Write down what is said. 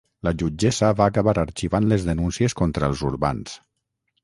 La jutgessa va acabar arxivant les denúncies contra els urbans.